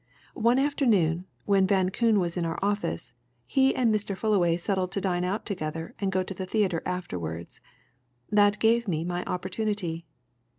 One afternoon, when Van Koon was in our office, he and Mr. Fullaway settled to dine out together and go to the theatre afterwards. That gave me my opportunity.